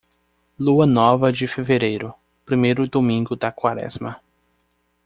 Lua nova de fevereiro, primeiro domingo da Quaresma.